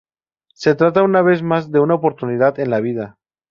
Se trata una vez más de una oportunidad en la vida.".